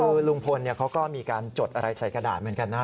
คือลุงพลเขาก็มีการจดอะไรใส่กระดาษเหมือนกันนะ